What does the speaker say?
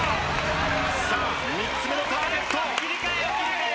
さあ３つ目のターゲット。